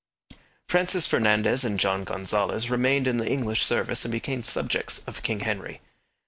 Francis Fernandez and John Gonzales remained in the English service and became subjects of King Henry.